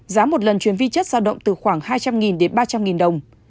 giá một lần truyền vi chất sao động từ khoảng hai trăm linh đến ba trăm linh đồng